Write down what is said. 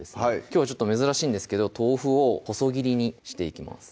きょうはちょっと珍しいんですが豆腐を細切りにしていきます